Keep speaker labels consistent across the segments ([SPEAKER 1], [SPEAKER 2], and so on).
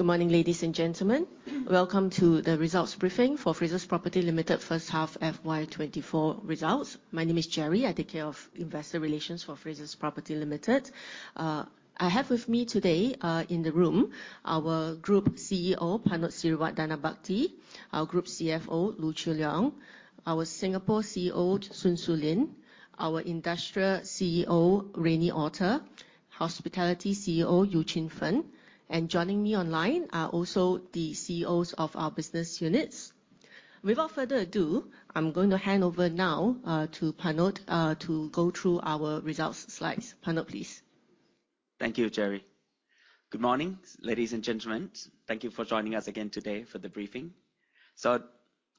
[SPEAKER 1] Good morning, ladies and gentlemen. Welcome to the results briefing for Frasers Property Limited First Half FY24 Results. My name is Gerry, I take care of investor relations for Frasers Property Limited. I have with me today in the room our Group CEO Panote Sirivadhanabhakdi, our Group CFO Loo Choon Leong, our Singapore CEO Soon Su Lin, our Industrial CEO Reini Otter, Hospitality CEO Eu Chin Fen, and joining me online are also the CEOs of our business units. Without further ado, I'm going to hand over now to Panote to go through our results slides. Panote, please.
[SPEAKER 2] Thank you, Gerry. Good morning, ladies and gentlemen. Thank you for joining us again today for the briefing.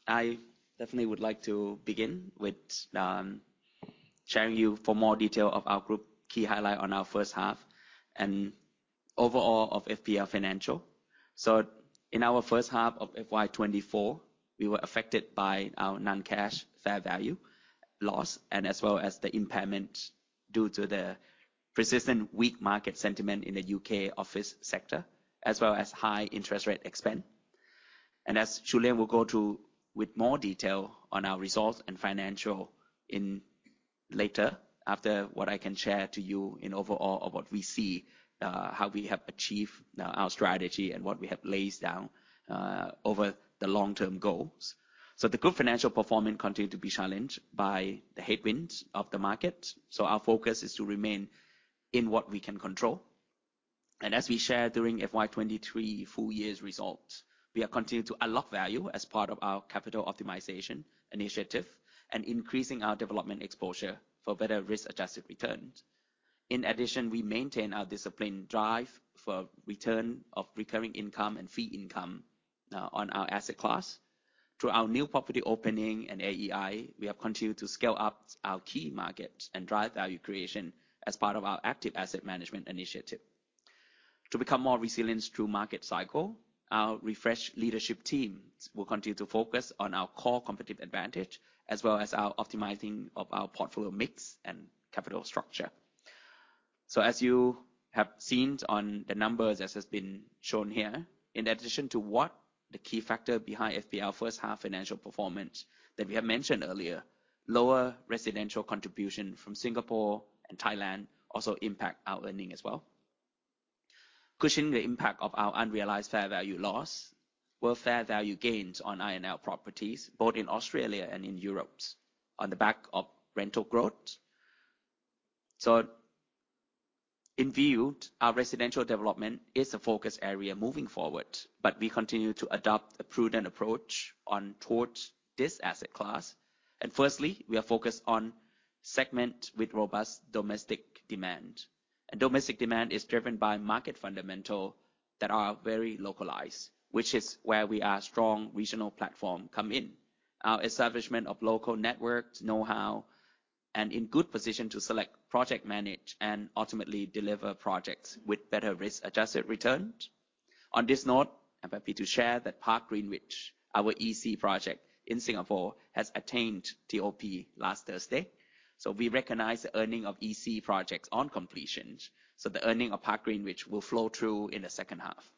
[SPEAKER 2] I definitely would like to begin with sharing with you more detail of our Group key highlight on our first half and overall of FPL financials. In our first half of FY2024, we were affected by our non-cash fair value loss and as well as the impairment due to the persistent weak market sentiment in the U.K. office sector, as well as high interest rate environment. As Choo Leong will go through with more detail on our results and financials later, after what I can share to you in overall of what we see, how we have achieved our strategy, and what we have laid down over the long-term goals. The Group financial performance continued to be challenged by the headwinds of the market, so our focus is to remain in what we can control. As we shared during FY2023 full year's results, we have continued to unlock value as part of our capital optimization initiative and increasing our development exposure for better risk-adjusted returns. In addition, we maintain our disciplined drive for return of recurring income and fee income on our asset class. Through our new property opening and AEI, we have continued to scale up our key markets and drive value creation as part of our active asset management initiative. To become more resilient through market cycle, our refreshed leadership team will continue to focus on our core competitive advantage as well as our optimizing of our portfolio mix and capital structure. So as you have seen on the numbers as has been shown here, in addition to what the key factor behind FPL first half financial performance that we have mentioned earlier, lower residential contribution from Singapore and Thailand also impact our earnings as well. Cushioning the impact of our unrealised fair value loss were fair value gains on I&L properties both in Australia and in Europe on the back of rental growth. So in view, our residential development is a focus area moving forward, but we continue to adopt a prudent approach towards this asset class. And firstly, we are focused on segment with robust domestic demand. Domestic demand is driven by market fundamentals that are very localized, which is where we are strong regional platform come in. Our establishment of local networks, know-how, and in good position to select, project manage, and ultimately deliver projects with better risk-adjusted returns. On this note, I'm happy to share that Park Greenwich, our EC project in Singapore, has attained TOP last Thursday. So we recognize the earning of EC projects on completion, so the earning of Park Greenwich will flow through in the second half.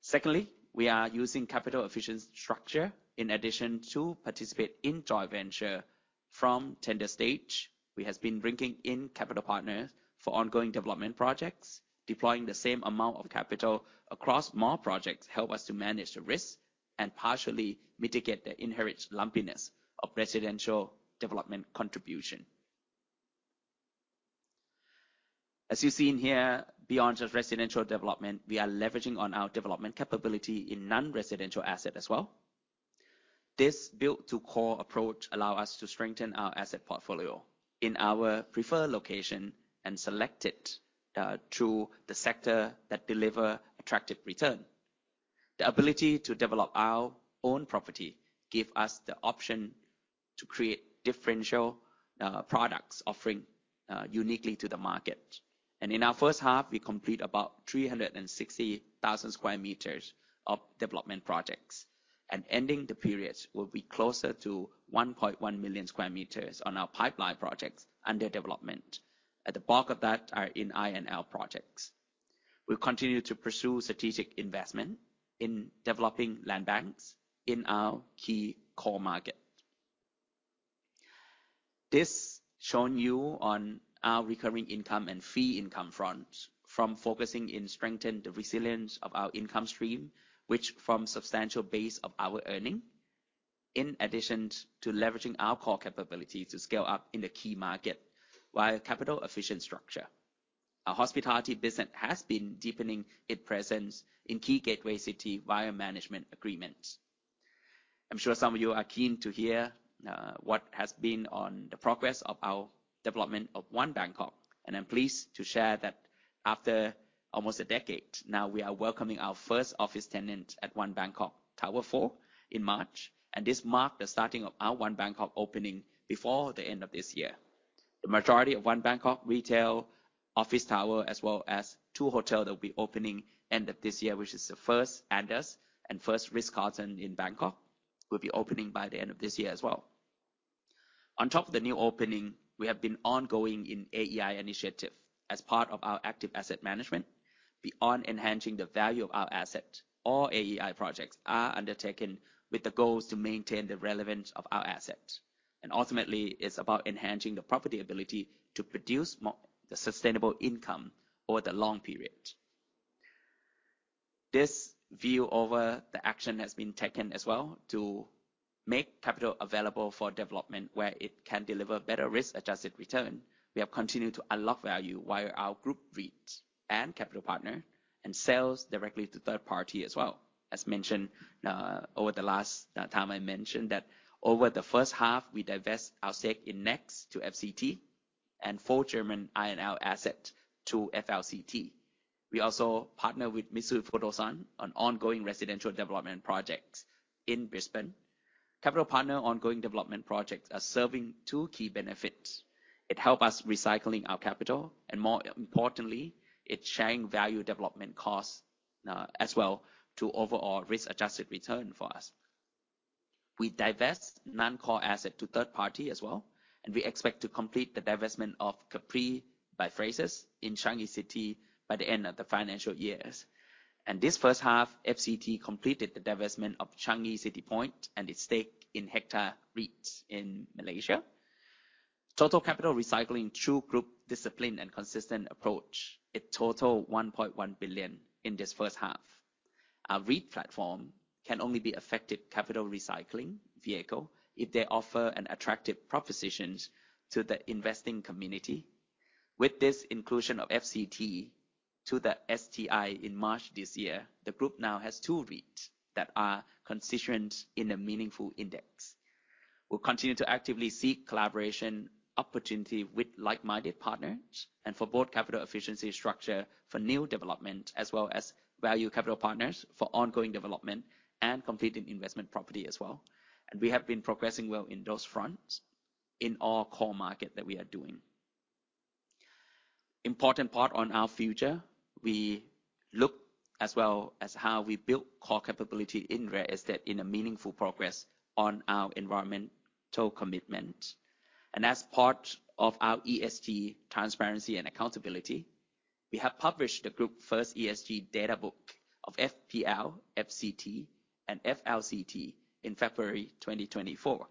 [SPEAKER 2] Secondly, we are using capital efficiency structure in addition to participate in joint venture from tender stage. We have been bringing in capital partners for ongoing development projects. Deploying the same amount of capital across more projects helps us to manage the risk and partially mitigate the inherent lumpiness of residential development contribution. As you see in here, beyond just residential development, we are leveraging on our development capability in non-residential assets as well. This built-to-core approach allows us to strengthen our asset portfolio in our preferred location and select it through the sector that delivers attractive return. The ability to develop our own property gives us the option to create differential products offering uniquely to the market. In our first half, we complete about 360,000 sq m of development projects. Ending the period will be closer to 1.1 million sq m on our pipeline projects under development. At the bulk of that are in I&L projects. We continue to pursue strategic investment in developing land banks in our key core market. This shown you on our recurring income and fee income fronts from focusing in strengthening the resilience of our income stream, which from substantial base of our earning, in addition to leveraging our core capability to scale up in the key market via capital efficient structure. Our hospitality business has been deepening its presence in key gateway city via management agreements. I'm sure some of you are keen to hear what has been on the progress of our development of One Bangkok. I'm pleased to share that after almost a decade, now we are welcoming our first office tenant at One Bangkok Tower 4 in March, and this marked the starting of our One Bangkok opening before the end of this year. The majority of One Bangkok retail office tower, as well as two hotels that will be opening end of this year, which is the first Andaz and first Ritz-Carlton in Bangkok, will be opening by the end of this year as well. On top of the new opening, we have been ongoing in AEI initiative as part of our active asset management. Beyond enhancing the value of our asset, all AEI projects are undertaken with the goals to maintain the relevance of our asset. Ultimately, it's about enhancing the property ability to produce more sustainable income over the long period. This view over the action has been taken as well to make capital available for development where it can deliver better risk-adjusted return. We have continued to unlock value via our Group REIT and capital partner and sales directly to third party as well. As mentioned over the last time I mentioned that over the first half, we divest our stake in NEX to FCT and four German I&L assets to FLCT. We also partner with Mitsui Fudosan on ongoing residential development projects in Brisbane. Capital partner ongoing development projects are serving two key benefits. It helps us recycling our capital, and more importantly, it's sharing value development costs as well to overall risk-adjusted return for us. We divest non-core asset to third party as well, and we expect to complete the divestment of Capri by Frasers in Changi City by the end of the financial year. This first half, FCT completed the divestment of Changi City Point and its stake in Hektar REIT in Malaysia. Total capital recycling through Group discipline and consistent approach, it totaled 1.1 billion in this first half. Our REIT platform can only be effective capital recycling vehicle if they offer an attractive proposition to the investing community. With this inclusion of FCT to the STI in March this year, the Group now has two REITs that are constituents in a meaningful index. We'll continue to actively seek collaboration opportunity with like-minded partners and for both capital efficiency structure for new development as well as value capital partners for ongoing development and completing investment property as well. We have been progressing well in those fronts in our core market that we are doing. Important part on our future, we look as well as how we build core capability in real estate in a meaningful progress on our environmental commitment. As part of our ESG transparency and accountability, we have published the Group's first ESG Databook of FPL, FCT, and FLCT in February 2024.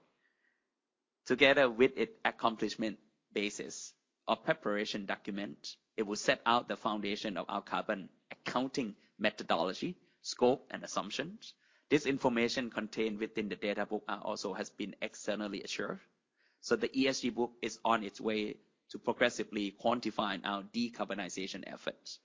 [SPEAKER 2] Together with its accompanying basis of preparation document, it will set out the foundation of our carbon accounting methodology, scope, and assumptions. This information contained within the databook also has been externally assured. So the ESG book is on its way to progressively quantifying our decarbonization efforts.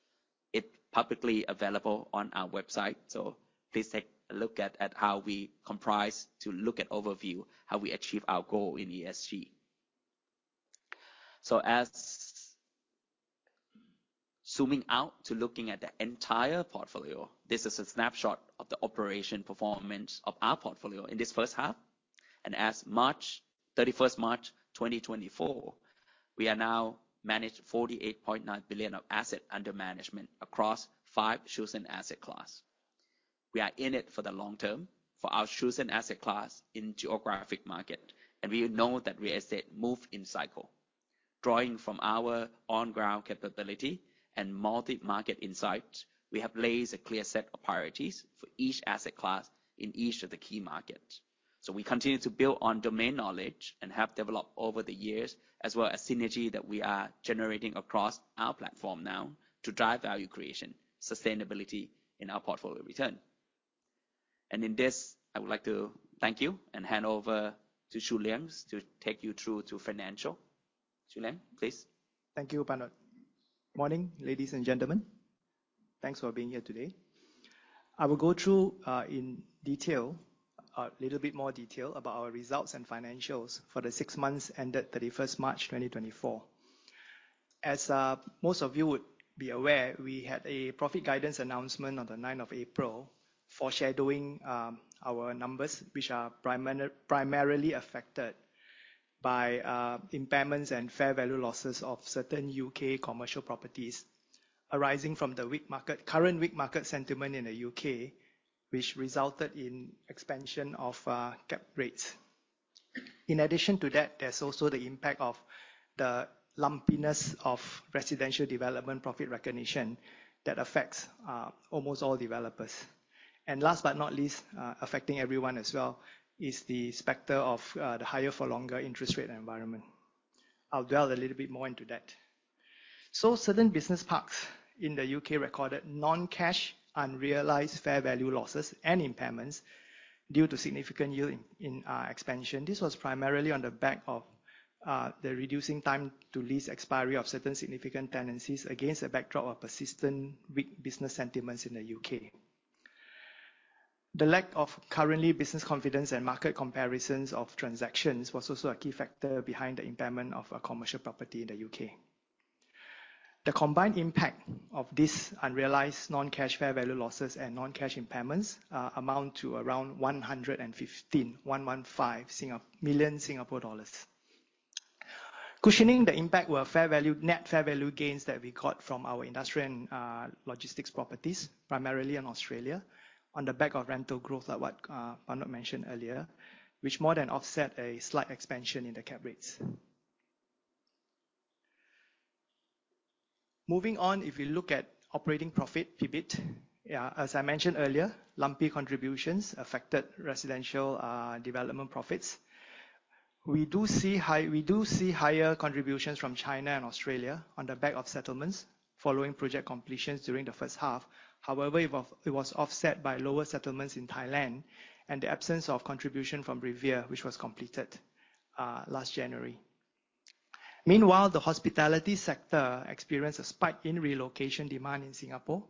[SPEAKER 2] It's publicly available on our website, so please take a look at how we comply to look at overview how we achieve our goal in ESG. So, zooming out to looking at the entire portfolio, this is a snapshot of the operational performance of our portfolio in this first half. As at March 31st, 2024, we now manage 48.9 billion of assets under management across five chosen asset classes. We are in it for the long term for our chosen asset classes in geographic markets, and we know that real estate moves in cycles. Drawing from our on-ground capability and multi-market insights, we have laid a clear set of priorities for each asset class in each of the key markets. We continue to build on domain knowledge and have developed over the years as well as synergy that we are generating across our platform now to drive value creation, sustainability in our portfolio return. In this, I would like to thank you and hand over to Choo Leong to take you through to financial. Choo Leong, please.
[SPEAKER 3] Thank you, Panote. Morning, ladies and gentlemen. Thanks for being here today. I will go through in detail, a little bit more detail about our results and financials for the six months ended 31 March 2024. As most of you would be aware, we had a profit guidance announcement on the 9 of April foreshadowing our numbers, which are primarily affected by impairments and fair value losses of certain U.K. commercial properties arising from the current weak market sentiment in the U.K., which resulted in expansion of cap rates. In addition to that, there's also the impact of the lumpiness of residential development profit recognition that affects almost all developers. And last but not least, affecting everyone as well is the specter of the higher-for-longer interest rate environment. I'll dwell a little bit more into that. Certain business parks in the U.K. recorded non-cash unrealized fair value losses and impairments due to significant yield expansion. This was primarily on the back of the reducing time to lease expiry of certain significant tenancies against the backdrop of persistent weak business sentiments in the U.K. The lack of current business confidence and market comparisons of transactions was also a key factor behind the impairment of commercial property in the U.K. The combined impact of these unrealized non-cash fair value losses and non-cash impairments amount to around 115 million Singapore dollars. Cushioning the impact were net fair value gains that we got from our industrial and logistics properties, primarily in Australia, on the back of rental growth like what Panote mentioned earlier, which more than offset a slight expansion in the cap rates. Moving on, if we look at operating profit, PBIT, as I mentioned earlier, lumpy contributions affected residential development profits. We do see higher contributions from China and Australia on the back of settlements following project completions during the first half. However, it was offset by lower settlements in Thailand and the absence of contribution from Rivière, which was completed last January. Meanwhile, the hospitality sector experienced a spike in relocation demand in Singapore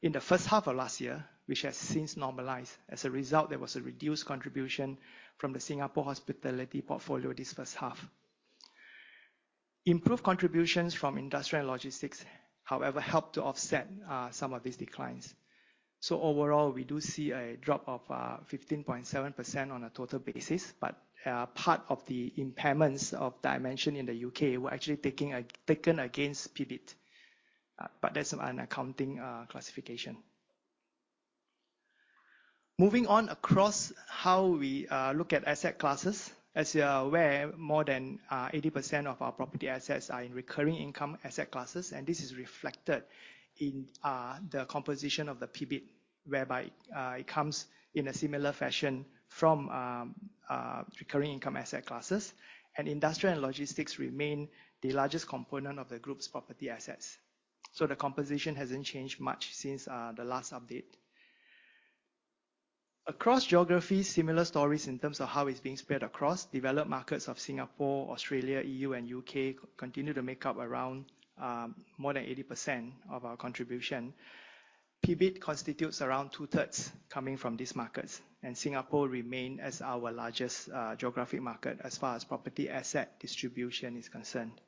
[SPEAKER 3] in the first half of last year, which has since normalized. As a result, there was a reduced contribution from the Singapore hospitality portfolio this first half. Improved contributions from industrial and logistics, however, helped to offset some of these declines. So overall, we do see a drop of 15.7% on a total basis, but part of the impairments I mentioned in the U.K. were actually taken against PBIT. But that's an accounting classification. Moving on across how we look at asset classes. As you are aware, more than 80% of our property assets are in recurring income asset classes, and this is reflected in the composition of the PBIT, whereby it comes in a similar fashion from recurring income asset classes. Industrial and logistics remain the largest component of the Group's property assets. The composition hasn't changed much since the last update. Across geography, similar stories in terms of how it's being spread across. Developed markets of Singapore, Australia, E.U., and U.K. continue to make up around more than 80% of our contribution. PBIT constitutes around 2/3 coming from these markets, and Singapore remains our largest geographic market as far as property asset distribution is concerned.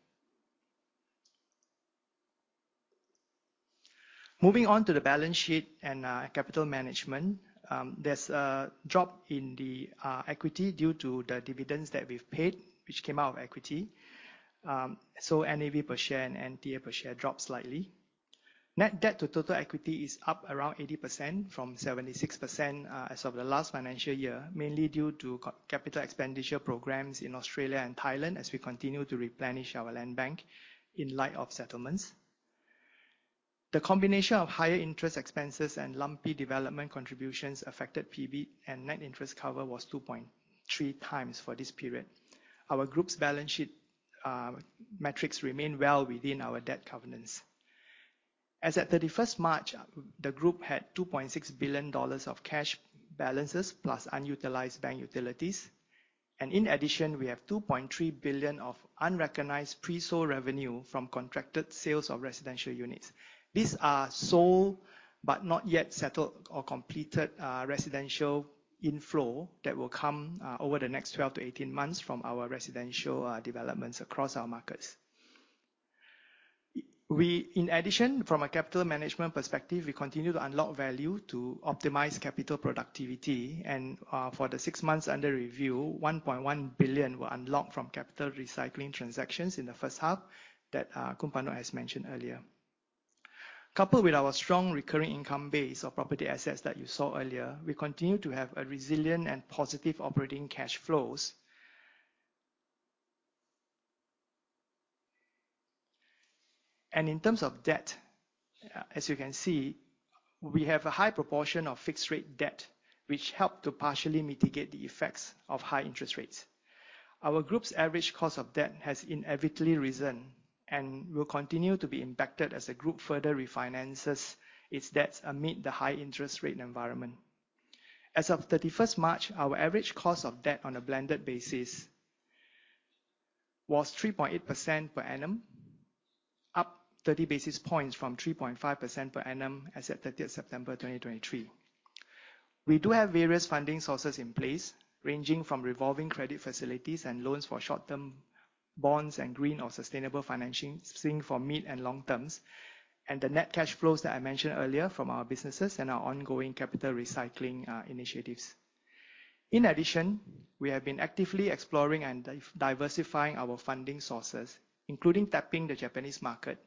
[SPEAKER 3] Moving on to the balance sheet and capital management, there's a drop in the equity due to the dividends that we've paid, which came out of equity. So NAV per share and NTA per share dropped slightly. Net debt to total equity is up around 80% from 76% as of the last financial year, mainly due to capital expenditure programs in Australia and Thailand as we continue to replenish our land bank in light of settlements. The combination of higher interest expenses and lumpy development contributions affected PBIT, and net interest cover was 2.3x for this period. Our Group's balance sheet metrics remain well within our debt covenants. As at 31 March, the Group had 2.6 billion dollars of cash balances plus unutilised bank facilities. In addition, we have 2.3 billion of unrecognised pre-sold revenue from contracted sales of residential units. These are sold but not yet settled or completed residential inflow that will come over the next 12 months-18 months from our residential developments across our markets. In addition, from a capital management perspective, we continue to unlock value to optimize capital productivity. And for the six months under review, 1.1 billion were unlocked from capital recycling transactions in the first half that Khun Panote has mentioned earlier. Coupled with our strong recurring income base of property assets that you saw earlier, we continue to have resilient and positive operating cash flows. And in terms of debt, as you can see, we have a high proportion of fixed-rate debt, which helped to partially mitigate the effects of high interest rates. Our Group's average cost of debt has inevitably risen and will continue to be impacted as the Group further refinances its debts amid the high interest rate environment. As of 31 March, our average cost of debt on a blended basis was 3.8% per annum, up 30 basis points from 3.5% per annum as at 30th September 2023. We do have various funding sources in place, ranging from revolving credit facilities and loans for short-term bonds and green or sustainable financing for mid and long terms, and the net cash flows that I mentioned earlier from our businesses and our ongoing capital recycling initiatives. In addition, we have been actively exploring and diversifying our funding sources, including tapping the Japanese market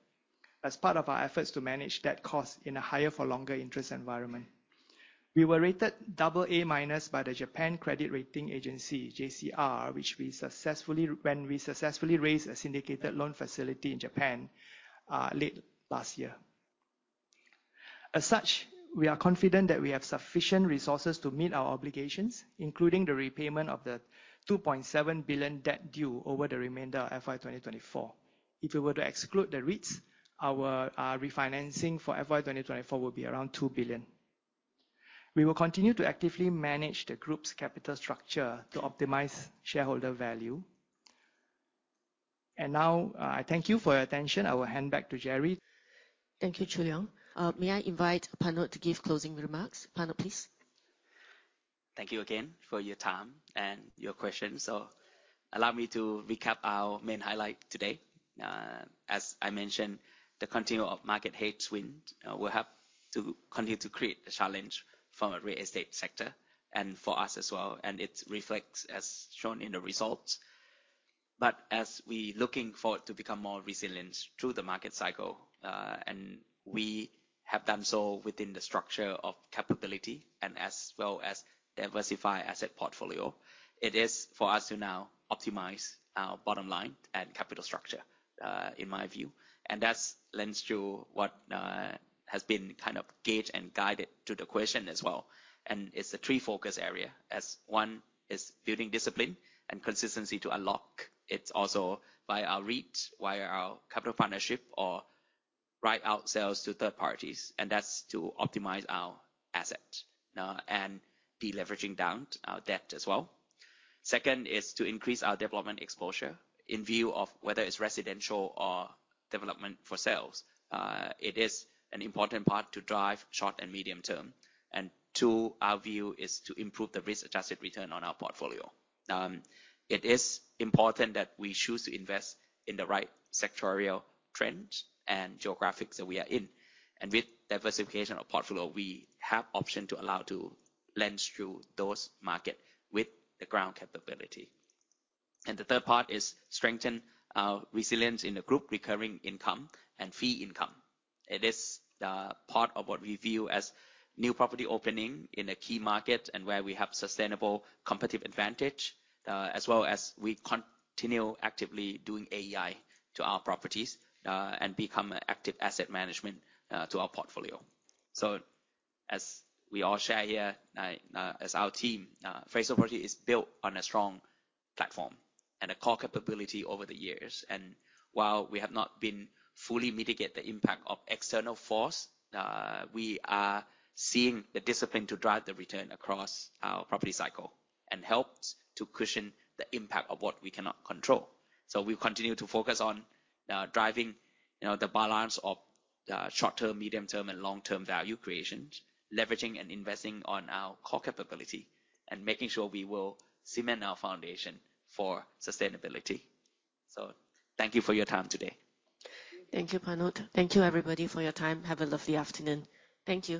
[SPEAKER 3] as part of our efforts to manage debt costs in a higher-for-longer interest environment. We were rated AA- by the Japan Credit Rating Agency, JCR, when we successfully raised a syndicated loan facility in Japan late last year. As such, we are confident that we have sufficient resources to meet our obligations, including the repayment of 2.7 billion debt due over the remainder of FY 2024. If we were to exclude the REITs, our refinancing for FY 2024 would be around 2 billion. We will continue to actively manage the Group's capital structure to optimize shareholder value. Now, I thank you for your attention. I will hand back to Gerry.
[SPEAKER 1] Thank you, Choo Leong. May I invite Panote to give closing remarks? Panote, please.
[SPEAKER 2] Thank you again for your time and your questions. Allow me to recap our main highlight today. As I mentioned, the continual market headwinds will have to continue to create a challenge for the real estate sector and for us as well. It reflects, as shown in the results. As we're looking forward to becoming more resilient through the market cycle, we have done so within the structure of capability and as well as diversifying asset portfolio. It is for us to now optimise our bottom line and capital structure, in my view. That lends to what has been kind of gauged and guided to the question as well. It's a three-focus area. One is building discipline and consistency to unlock. It's also via our REITs, via our capital partnership, or write-out sales to third parties. That's to optimize our assets and be leveraging down our debt as well. Second is to increase our development exposure in view of whether it's residential or development for sales. It is an important part to drive short and medium term. And two, our view is to improve the risk-adjusted return on our portfolio. It is important that we choose to invest in the right sectoral trends and geographies that we are in. And with diversification of portfolio, we have the option to allow to lend through those markets with the ground capability. And the third part is to strengthen our resilience in the Group's recurring income and fee income. It is part of what we view as new property opening in a key market and where we have sustainable competitive advantage, as well as we continue actively doing AEI to our properties and become an active asset management to our portfolio. So as we all share here, as our team, Frasers Property is built on a strong platform and a core capability over the years. And while we have not been fully mitigating the impact of external force, we are seeing the discipline to drive the return across our property cycle and helps to cushion the impact of what we cannot control. So we continue to focus on driving the balance of short-term, medium-term, and long-term value creations, leveraging and investing on our core capability, and making sure we will cement our foundation for sustainability. So thank you for your time today.
[SPEAKER 1] Thank you, Panote. Thank you, everybody, for your time. Have a lovely afternoon. Thank you.